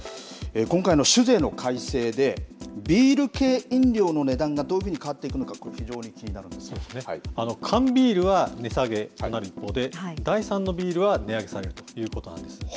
今回の酒税の改正で、ビール系飲料の値段がどういうふうに変わっていくのか、これ、非常に気にな缶ビールは値下げになるので、第３のビールは値上げされるということなんです。